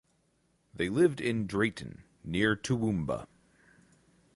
They lived in Drayton near Toowoomba.